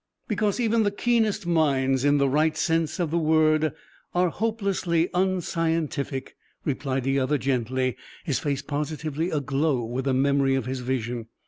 "Because even the keenest minds, in the right sense of the word, are hopelessly unscientific," replied the other gently, his face positively aglow with the memory of his vision.